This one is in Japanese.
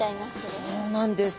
そうなんです。